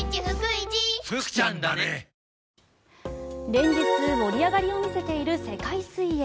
連日盛り上がりを見せている世界水泳。